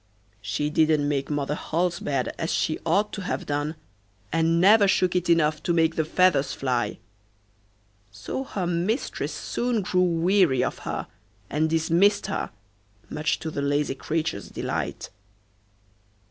She didn't make Mother Holle's bed as she ought to have done, and never shook it enough to make the feathers fly. So her mistress soon grew weary of her, and dismissed her, much to the lazy creature's delight.